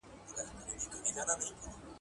ستا له ښاره قاصد راغی په سرو سترګو یې ژړله ..